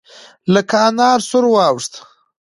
لکه انار سور واوښت.